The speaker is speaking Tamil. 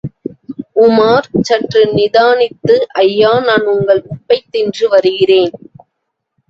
உமார் சற்று நிதானித்து ஐயா நான் உங்கள் உப்பைத் தின்று வருகிறேன்.